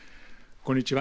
こんにちは。